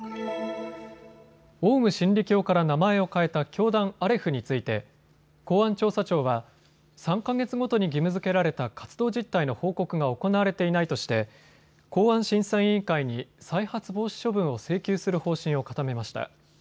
オウム真理教から名前を変えた教団アレフについて公安調査庁は３か月ごとに義務づけられた活動実態の報告が行われていないとして公安審査委員会に再発防止処分を請求する方針を固めました。